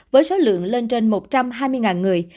với số lượng lên trên một trăm hai mươi người